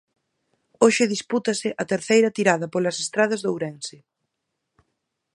Hoxe dispútase a terceira tirada polas estradas de Ourense.